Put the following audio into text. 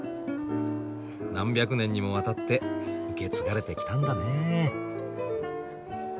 何百年にもわたって受け継がれてきたんだね。